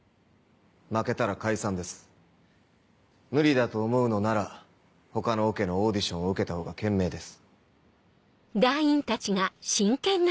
負けたら解散です無理だと思うのなら他のオケのオーディションを受けた方が賢明です。